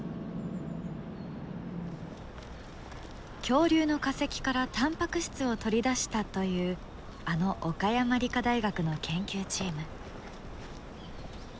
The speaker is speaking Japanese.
恐竜の化石からタンパク質を取り出したというあの岡山理科大学の研究チーム。